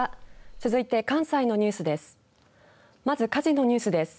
続いて関西のニュースです。